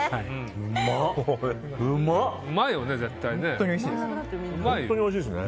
うまいよね、絶対。